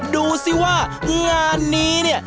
ดูสิว่างานนี้เนี่ย